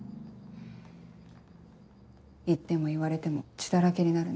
言っても言われても血だらけになるね。